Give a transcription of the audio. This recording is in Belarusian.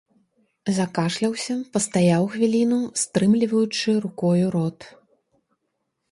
Закашляўся, пастаяў хвіліну, стрымліваючы рукою рот.